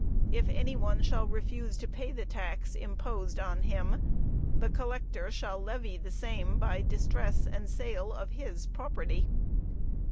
If any one shall refuse to pay the tax imposed on him, the collector shall levy the same by distress and sale of his property."